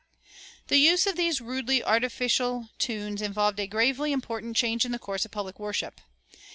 The use of these rudely artificial tunes involved a gravely important change in the course of public worship.